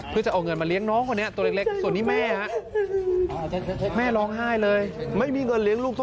เพื่อจะเอาเงินมาเลี้ยงน้องคนนี้ตัวเล็ก